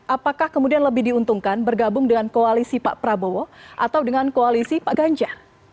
apakah kemudian lebih diuntungkan bergabung dengan koalisi pak prabowo atau dengan koalisi pak ganjar